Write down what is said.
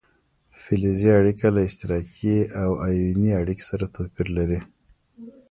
فلزي اړیکه له اشتراکي او ایوني اړیکې سره توپیر لري.